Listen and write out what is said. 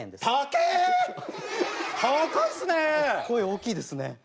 声大きいですね。